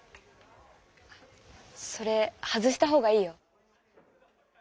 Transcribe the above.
それ外した方がいいよ。